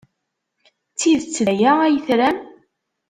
D tidet d aya ay tram?